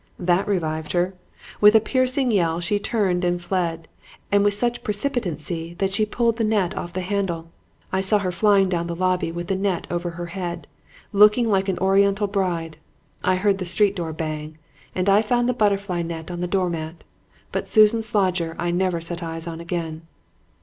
"That revived her. With a piercing yell she turned and fled, and with such precipitancy that she pulled the net off the handle. I saw her flying down the lobby with the net over her head, looking like an oriental bride; I heard the street door bang, and I found the butter fly net on the doormat. But Susan Slodger I never set eyes on again.